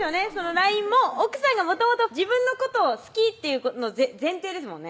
ＬＩＮＥも奥さんがもともと自分のことを好きっていうの前提ですもんね